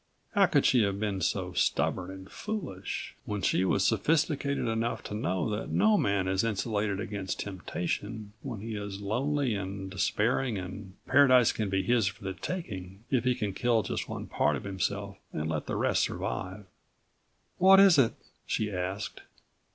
How could she have been so stubborn and foolish, when she was sophisticated enough to know that no man is insulated against temptation when he is lonely and despairing and paradise can be his for the taking, if he can kill just one part of himself and let the rest survive. "What is it?" she asked.